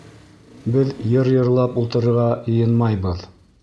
Беҙ йыр йырлап ултырырға йыйынмайбыҙ.